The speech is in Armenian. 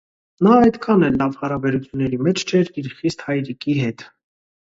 Նա այդքան էլ լավ հարաբերություների մեջ չէր իր խիստ հայրիկի հետ։